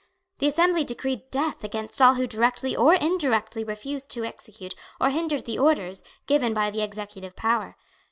The Assembly decreed death against all who directly or indirectly refused to execute or hindered the orders given by the executive power.